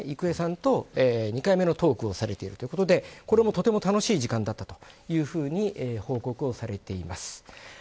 郁恵さんと２回目のトークをされているということでこれも、とても楽しい時間だったというふうに報告をされています。